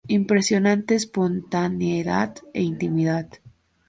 Impresionante espontaneidad e intimidad.